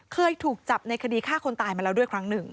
เคยถูกจับในคดีฆ่าคนตายมาแล้วด้วยครั้งหนึ่ง